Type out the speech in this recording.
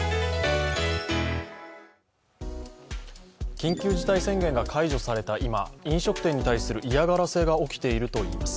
緊急事態宣言が解除された今、飲食店に対する嫌がらせが起きているといいます。